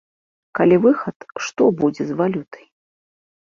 Калі выхад, то што будзе з валютай?